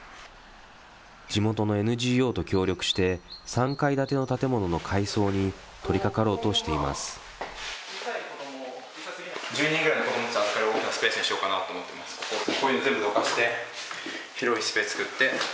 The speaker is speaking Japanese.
地元のＮＧＯと協力して、３階建ての建物の改装に取りかかろうとしています。